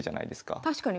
確かに。